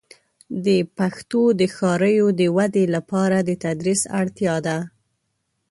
د پښتو د ښاریو د ودې لپاره د تدریس اړتیا ده.